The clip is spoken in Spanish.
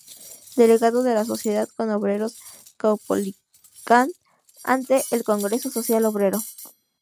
Delegado de la Sociedad de Obreros Caupolicán ante el Congreso Social Obrero.